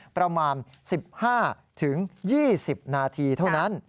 ประมาณ๑๕๒๐นาทีเท่านั้น